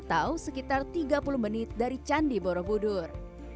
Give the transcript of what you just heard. atau sekitar tiga puluh menit dari candi borobudur